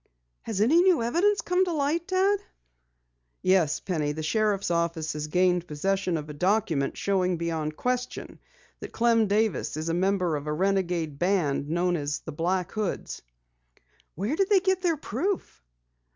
"Has any new evidence come to light, Dad?" "Yes, Penny, the sheriff's office has gained possession of a document showing beyond question that Clem Davis is a member of a renegade band known as the Black Hoods." "Where did they get their proof?"